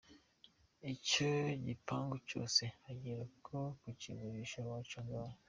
Icyo gipangu cyose ugiye nko kukigurisha waca angahe?.